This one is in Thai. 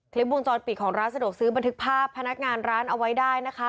วงจรปิดของร้านสะดวกซื้อบันทึกภาพพนักงานร้านเอาไว้ได้นะคะ